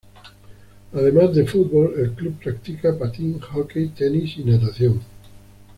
Además de fútbol el club practica patín, hockey, tenis y natación.